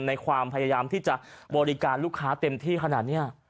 ในความพยายามที่จะบริการลูกค้าเต็มที่ขนาดนี้